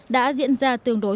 đã diễn ra tương đối